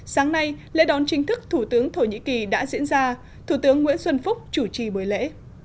sáng nay lễ đón chính thức thủ tướng thổ nhĩ kỳ đã diễn ra thủ tướng nguyễn xuân phúc chủ trì buổi lễ